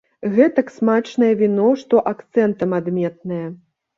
Гэтак смачнае віно, што акцэнтам адметнае.